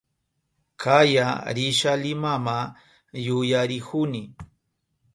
Kaya risha Limama yuyarihuni